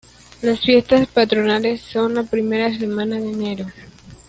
Las fiestas patronales son la primera semana de Enero.